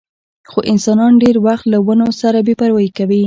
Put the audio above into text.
خو انسانان ډېر وخت له ونو سره بې پروايي کوي.